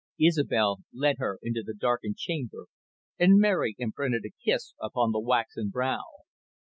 Isobel led her into the darkened chamber, and Mary imprinted a kiss upon the waxen brow.